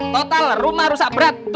total rumah rusak berat tujuh puluh lima